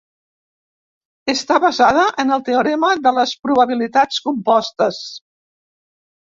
Està basada en el teorema de les probabilitats compostes.